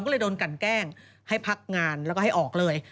ก็เลยโดนกันแกล้งให้พักงานแล้วก็ให้ออกเลย